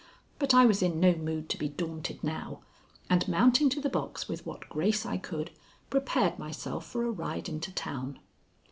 But I was in no mood to be daunted now, and mounting to the box with what grace I could, prepared myself for a ride into town.